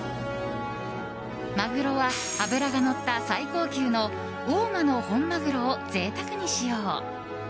マグロは脂がのった最高級の大間の本マグロを贅沢に使用。